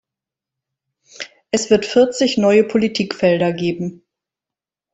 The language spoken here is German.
Es wird vierzig neue Politikfelder geben.